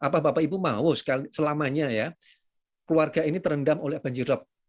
apa bapak ibu mau selamanya keluarga ini terendam oleh banjir rop